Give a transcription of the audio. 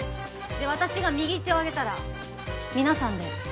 で私が右手を上げたら皆さんで